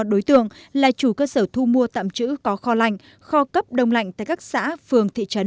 đối tượng là chủ cơ sở thu mua tạm chữ có kho lạnh kho cấp đông lạnh tại các xã phường thị trấn